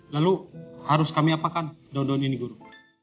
lalu harus kami apakan daun daun ini guru